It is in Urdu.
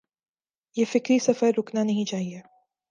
یہ فکری سفر رکنا نہیں چاہیے۔